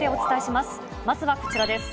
まずはこちらです。